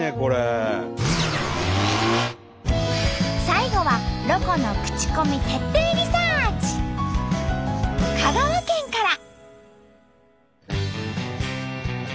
最後は香川県から。